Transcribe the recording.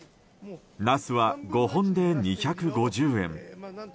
ナスは５本で２５０円。